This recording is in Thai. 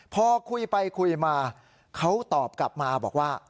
พอคุยไปคุยมาเขาตอบกลับมาบอกว่า